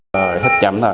rồi hít chậm thôi